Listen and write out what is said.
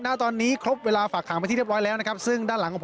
ณตอนนี้ครบเวลาฝากหางไปที่เรียบร้อยแล้วนะครับซึ่งด้านหลังของผม